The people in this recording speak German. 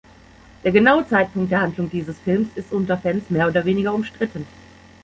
Der genaue Zeitpunkt der Handlung dieses Films ist unter Fans mehr oder weniger umstritten.